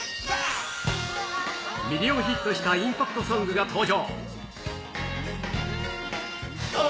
ミリオンヒットしたインパクトソングが登場。